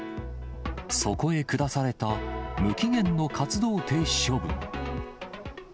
そこへ下された無期限の活動停止処分。